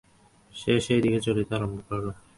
সে সেইদিকে চলিতে আরম্ভ করিল।